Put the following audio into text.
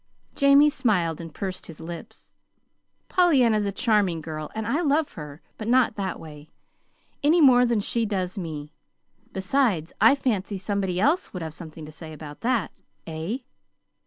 Jamie smiled and pursed his lips. "Pollyanna's a charming girl, and I love her but not that way, any more than she does me. Besides, I fancy somebody else would have something to say about that; eh?"